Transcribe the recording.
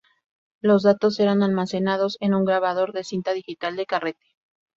Los datos eran almacenados en un grabador de cinta digital de carrete.